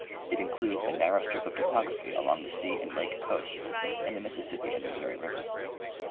It includes a narrow strij) of topography along. the sea and lake coasts and the Mississippi and Missouri rivers.